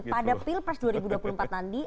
pada pemilpres dua ribu dua puluh empat nandi